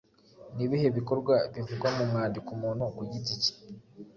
Ni ibihe bikorwa bivugwa mu mwandiko umuntu ku giti ke